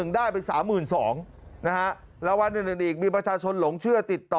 ได้ไป๓๒๐๐นะฮะรางวัลอื่นอีกมีประชาชนหลงเชื่อติดต่อ